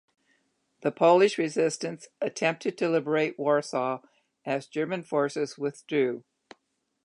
The Polish resistance attempted to liberate Warsaw as German forces withdrew.